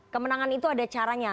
kemenangan itu ada caranya